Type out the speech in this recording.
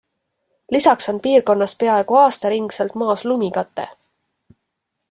Lisaks on piirkonnas peaaegu aastaringselt maas lumikate.